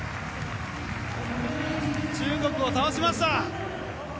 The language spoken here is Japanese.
中国を倒しました！